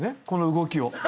この動きを。